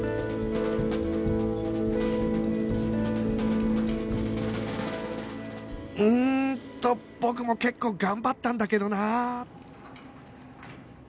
うんと僕も結構頑張ったんだけどなあ